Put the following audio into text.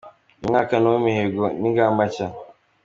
Uyu mwaka ni uw’imihigo n’ingamba nshya.